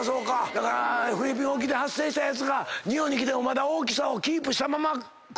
だからフィリピン沖で発生したやつが日本に来てもまだ大きさをキープしたまま来るんだ。